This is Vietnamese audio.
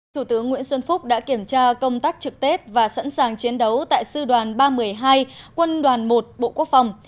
thủ tướng nguyễn xuân phúc đã kiểm tra công tác trực tết và sẵn sàng chiến đấu tại sư đoàn ba trăm một mươi hai quân đoàn một bộ quốc phòng